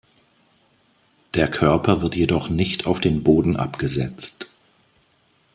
Der Körper wird jedoch nicht auf den Boden abgesetzt.